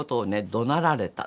どなられた。